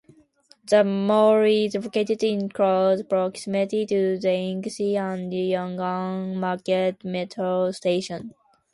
The mall is located in close proximity to Dingxi and Yongan Market metro stations.